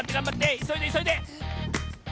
いそいでいそいで！